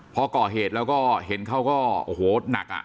พอก่อเหตุแล้วก็เห็นเขาก็โอ้โหหนักอ่ะ